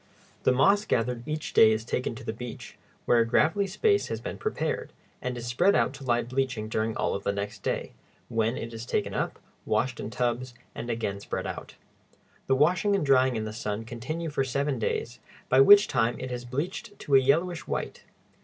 The moss gathered each day is taken to the beach, where a gravelly space has been prepared, and is spread out to lie bleaching during all of the next day, when it is taken up, washed in tubs, and again spread out. The washing and drying in the sun continue for seven days, by which time it has bleached to a yellowish white.